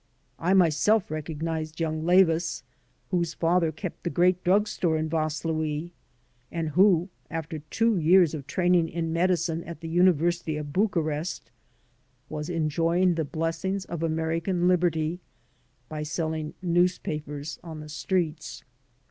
I myself recognized young Layvis, whose father kept the great drug store in Vaslui, and who, after two years of training in medicine at the University of Bucharest, was enjoying the blessings of American liberty by selling newspapers on the streets.